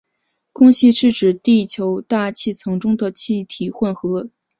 空气是指地球大气层中的气体混合。